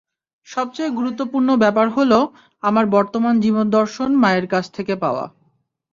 সবচেয়ে গুরুত্বপূর্ণ ব্যাপার হলো, আমার বর্তমান জীবনদর্শন মায়ের কাছ থেকে পাওয়া।